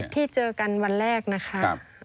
ที่เจอกันวันแรกนะคะ